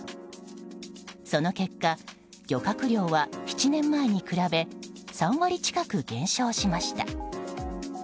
その結果、漁獲量は７年前に比べ３割近く減少しました。